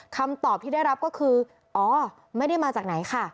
คำตอบที่ได้รับก็คืออ๋อไม่ได้มาจากไหนค่ะ